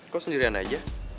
kok sendirian aja